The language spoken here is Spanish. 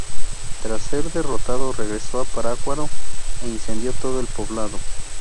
Tras ser derrotado regresó a Parácuaro e incendió todo el poblado.